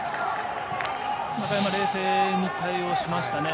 中山が冷静に対応しましたね。